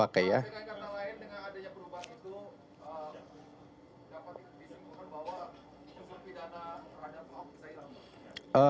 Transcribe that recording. dengan kata lain dengan adanya perubahan itu dapat disimpulkan bahwa